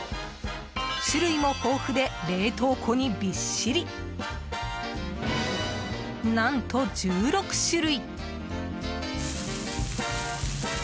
種類も豊富で、冷凍庫にびっしり何と１６種類！